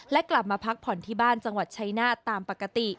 และกลับมาพักผ่อนที่บ้านจังหวัดชายนาฏตามปกติ